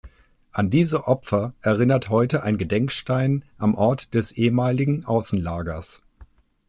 An diese Opfer erinnert heute ein Gedenkstein am Ort des ehemaligen Außenlagers.